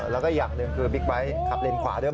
แล้วก็อย่างหนึ่งคือบิ๊กไบท์ขับเลนขวาด้วย